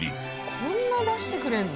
こんな出してくれるの？